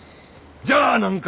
じゃあ何か？